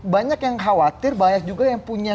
banyak yang khawatir banyak juga yang punya